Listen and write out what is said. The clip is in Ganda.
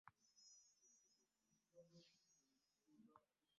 Be balima emmere gye tulya mu bibuga.